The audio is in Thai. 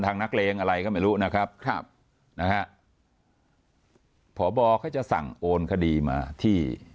นักเลงอะไรก็ไม่รู้นะครับครับนะฮะพบเขาจะสั่งโอนคดีมาที่